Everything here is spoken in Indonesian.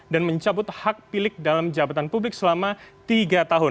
dan mencabut hak pilih dalam jabatan publik selama tiga tahun